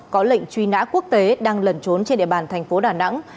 có lệnh truy nã quốc tế đang lẩn trốn trên địa bàn thành phố đà nẵng